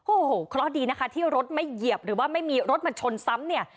โอ้โหเคราะห์ดีนะคะที่รถไม่เหยียบหรือว่าไม่มีรถมาชนซ้ำเนี่ย